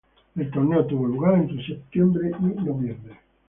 El torneo tuvo lugar entre septiembre y noviembre.